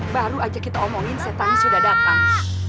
baru aja kita omongin setannya sudah datang